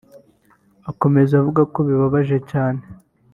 Akomeza avuga ko bibabaje cyane